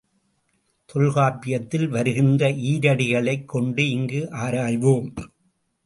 தொல்காப்பியத்தில் வருகின்ற ஈரடிகளைக் கொண்டு இங்கு ஆராய்வோம்.